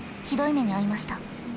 ひどい目に遭いました。